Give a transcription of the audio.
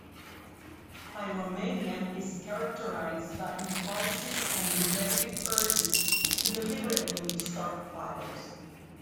Pyromania is characterized by impulsive and repetitive urges to deliberately start fires.